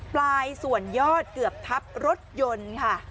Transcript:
ปลายส่วนยอดเกือบทับรถยนต์ค่ะ